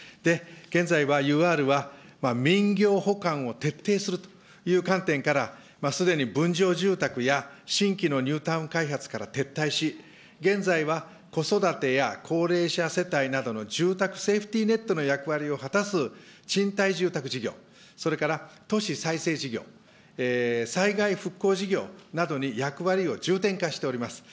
現在はＵＲは、民業補完を徹底するという観点から、すでに分譲住宅や新規のニュータウン開発から撤退し、現在は子育てや高齢者世帯などの住宅セーフティーネットの役割を果たす賃貸住宅事業、それから都市再生事業、災害復興事業などに役割を重点化しております。